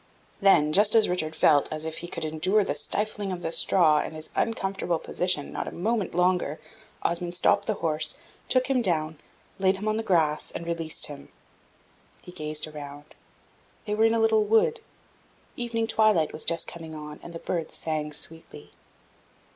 Then, just as Richard felt as if he could endure the stifling of the straw, and his uncomfortable position, not a moment longer, Osmond stopped the horse, took him down, laid him on the grass, and released him. He gazed around; they were in a little wood; evening twilight was just coming on, and the birds sang sweetly.